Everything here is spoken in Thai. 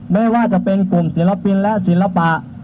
ไม่ว่าจะเป็นกลุ่มศิลปินและศิลปะ